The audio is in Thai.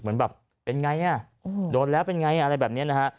เหมือนแบบเป็นไงอ่ะโดนแล้วเป็นไงอะไรแบบนี้นะฮะ